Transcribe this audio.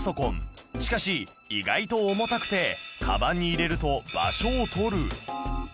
しかし意外と重たくてかばんに入れると場所を取る